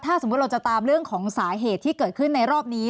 ถ้าสมมุติเราจะตามเรื่องของสาเหตุที่เกิดขึ้นในรอบนี้